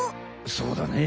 そうだね。